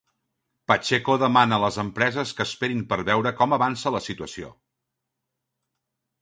Pacheco demana a les empreses que esperin per veure com avança la situació.